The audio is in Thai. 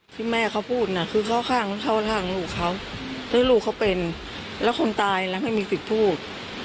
ที่แม่เขาพูดน่ะคือเข้าข้างเข้าข้างลูกเขาแล้วลูกเขาเป็นแล้วคนตายแล้วไม่มีสิทธิ์พูด